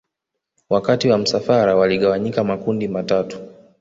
Wakati wa msafara waligawanyika makundi matatu